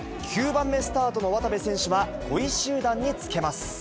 ９番目スタートの渡部選手は、５位集団につけます。